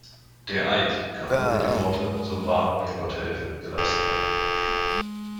Der Eid kann ohne die Worte „so wahr mir Gott helfe“ geleistet werden.